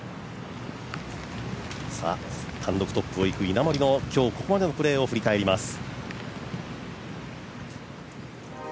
単独トップをいく稲森の今日、ここまでのプレーを振り返ります。